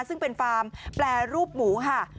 ซึ่งเป็นฟาร์มแปรรูปหมูค่ะ